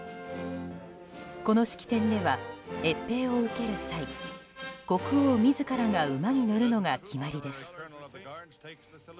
この式典では、閲兵を受ける際国王自らが馬に乗るのが決まりです。